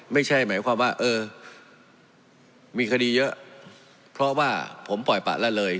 ไม่ใช่หมายความว่าเออมีคดีเยอะเพราะว่าผมปล่อยปะละเลย